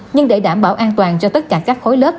nhưng để đảm bảo an toàn cho tất cả các khối lớp